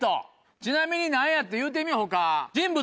ちなみに何やって言うてみ他。